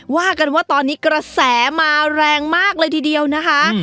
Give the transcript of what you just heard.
ว่ากันว่าตอนนี้กระแสมาแรงมากเลยทีเดียวนะคะ